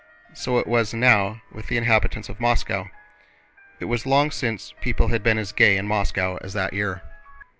So it was now with the inhabitants of Moscow. It was long since people had been as gay in Moscow as that year.